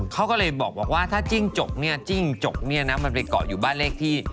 เขาก็เลยบอกว่าถ้าจิ้งจกหักอยู่บ้านเลขที่๑๐๓